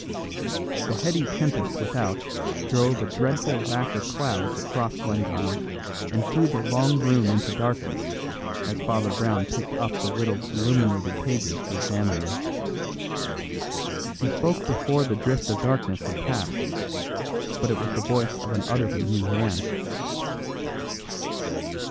The heady tempest without drove a dreadful wrack of clouds across Glengyle and threw the long room into darkness as Father Brown picked up the little illuminated pages to examine them. He spoke before the drift of darkness had passed; but it was the voice of an utterly new man.